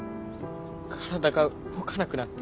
体が動かなくなって。